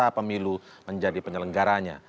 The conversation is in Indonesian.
apakah pemilu menjadi penyelenggaranya